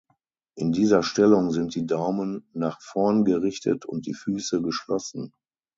In dieser Stellung sind die Daumen nach vorn gerichtet und die Füße geschlossen.